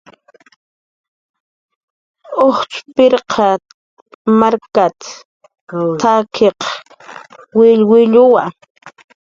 "Ujtz' Pirw markan t""akiq willwilluwa"